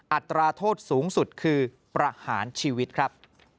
อัตราโทษสูงสุดคือประหารชีวิตครับ